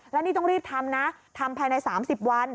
แล้วนี่ต้องรีบทำนะทำภายใน๓๐วัน